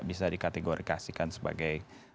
bisa dikategorikasikan sebagai